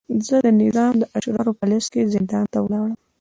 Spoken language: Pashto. زه د نظام د اشرارو په لست کې زندان ته ولاړم.